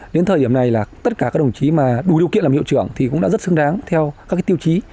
đến thời điểm này là tất cả các đồng chí mà đủ điều kiện làm hiệu trưởng thì cũng đã rất xứng đáng theo các tiêu chí